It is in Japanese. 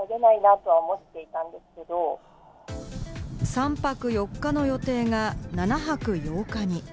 ３泊４日の予定が７泊８日に。